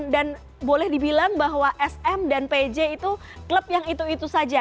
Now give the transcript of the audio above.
dan boleh dibilang bahwa sm dan pj itu klub yang itu itu saja